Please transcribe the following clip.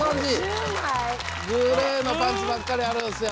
５０枚⁉グレーのパンツばっかりあるんすよ。